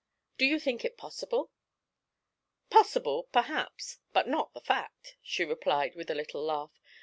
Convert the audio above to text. Do you think it possible?' 'Possible, perhaps, but not the fact,' she replied, with a little laugh.